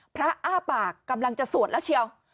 อ้าปากกำลังจะสวดแล้วเชียว